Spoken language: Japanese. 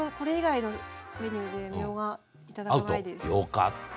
よかった。